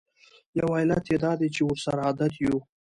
یو علت یې دا دی چې ورسره عادت یوو.